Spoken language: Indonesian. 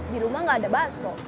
di rumah nggak ada bakso